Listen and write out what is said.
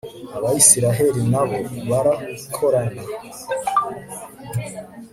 abayisraheli na bo barakorana